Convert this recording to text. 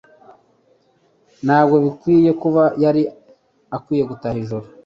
Ntabwo bitangaje kuba yari akwiye gutaha nijoro.